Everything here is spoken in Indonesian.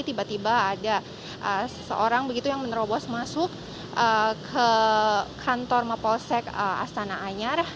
tiba tiba ada seseorang begitu yang menerobos masuk ke kantor mapolsek astana anyar